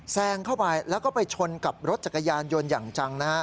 แซงเข้าไปแล้วก็ไปชนกับรถจักรยานยนต์อย่างจังนะฮะ